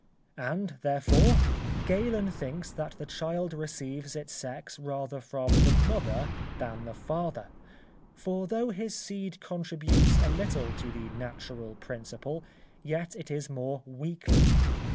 And, therefore, Galen thinks that the child receives its sex rather from the mother than the father, for though his seed contributes a little to the natural principle, yet it is more weakly.